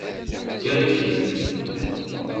Kker akin!